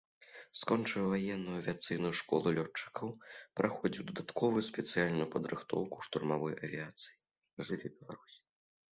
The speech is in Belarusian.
Скончыў ваенную авіяцыйную школу лётчыкаў, праходзіў дадатковую спецыяльную падрыхтоўку ў штурмавой авіяцыі.